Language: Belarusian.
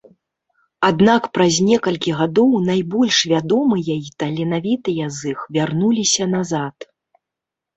Аднак праз некалькі гадоў найбольш вядомыя і таленавітыя з іх вярнуліся назад.